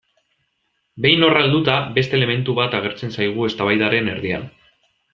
Behin horra helduta, beste elementu bat agertzen zaigu eztabaidaren erdian.